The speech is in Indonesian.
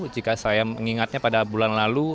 jika saya mengingatnya pada bulan lalu